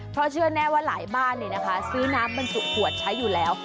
เพราะเชื่อแน่ว่าหลายบ้านซื้อน้ำบรรจุขวดใช้อยู่แล้ว